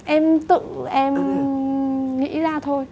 em tự em nghĩ ra thôi